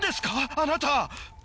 あなた。